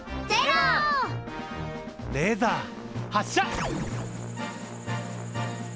レーザー発射！